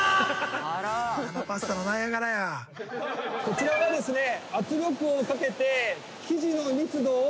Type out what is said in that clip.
こちらがですね。